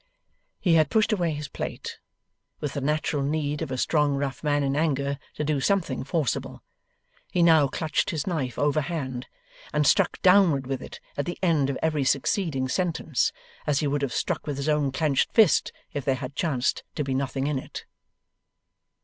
He had pushed away his plate. With the natural need of a strong rough man in anger, to do something forcible, he now clutched his knife overhand, and struck downward with it at the end of every succeeding sentence. As he would have struck with his own clenched fist if there had chanced to be nothing in it.